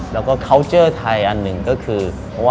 แล้วก็เคาน์เจอร์ไทยอันหนึ่งก็คือ